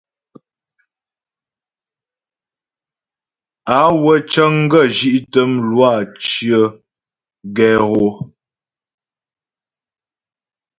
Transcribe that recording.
Á wə́ cə́ŋ gə zhí'tə mlwâ cyə̀ gɛ hɔ.